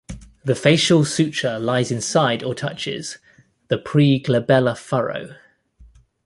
The facial suture lies inside or touches the preglabellar furrow.